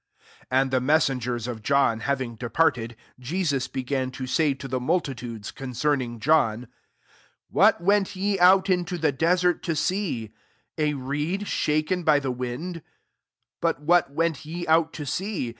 And the messengers of k liaving departed, Je9ua he reto say to the multitudes ' ng John, " What went into the desert to see? coed shaken by the wind ?: what went ye out to see